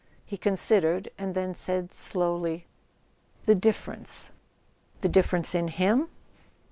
He considered, and then said slowly: "The differ¬ ence." "The difference in him?"